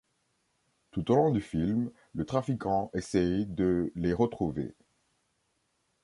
Tout au long du film le trafiquant essaye de les retrouver.